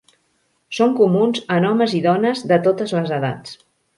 Són comuns en homes i dones de totes les edats.